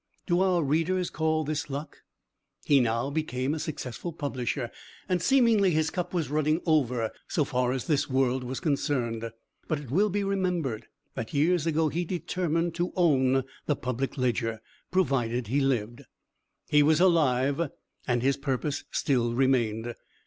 Do our readers call this luck? He now became a successful publisher, and seemingly his cup was running over, so far as this world was concerned, but it will be remembered that years ago he determined to own the Public Ledger, provided he lived. He was alive and his purpose still remained.